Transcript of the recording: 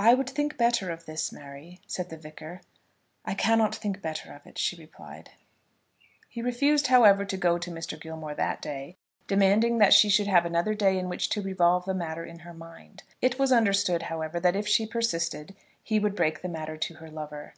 "I would think better of this, Mary," said the Vicar. "I cannot think better of it," she replied. He refused, however, to go to Mr. Gilmore that day, demanding that she should have another day in which to revolve the matter in her mind. It was understood, however, that if she persisted he would break the matter to her lover.